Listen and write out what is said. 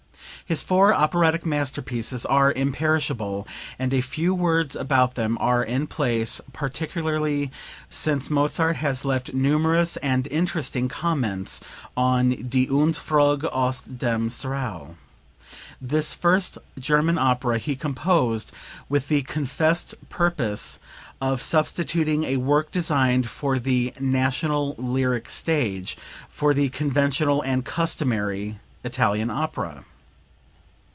His four operatic masterpieces are imperishable, and a few words about them are in place, particularly since Mozart has left numerous and interesting comments on "Die Entfuhrung aus dem Serail." This first German opera he composed with the confessed purpose of substituting a work designed for the "national lyric stage" for the conventional and customary Italian opera.